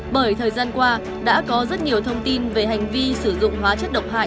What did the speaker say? bởi thời gian qua đã có rất nhiều thông tin về hành vi sử dụng hóa chất đỏ